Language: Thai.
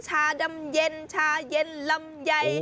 ชาดำเย็นชาเย็นลำไย